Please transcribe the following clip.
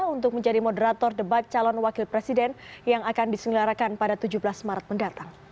untuk menjadi moderator debat calon wakil presiden yang akan disengarakan pada tujuh belas maret mendatang